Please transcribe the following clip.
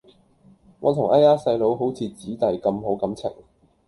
我同哎呀細佬好似姊弟咁好感情